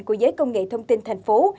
của giới công nghệ thông tin thành phố